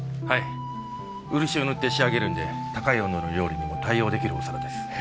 はい漆を塗って仕上げるんで高い温度の料理にも対応できるお皿です。